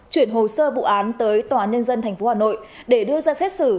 chuyển hồ sơ vụ án tới tòa nhân dân tp hà nội để đưa ra xét xử